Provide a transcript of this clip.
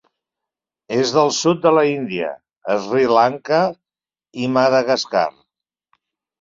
És del sud de la India, Sri Lanka i Madagascar.